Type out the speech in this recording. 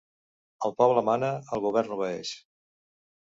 El poble mana, el govern obeeix.